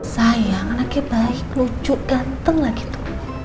sayang anaknya baik lucu ganteng lah gitu